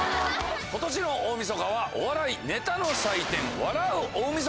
今年の大晦日はお笑いネタの祭典『笑う大晦日』。